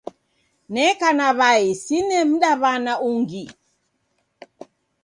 Neka na w'ai sine mdaw'ana ungi.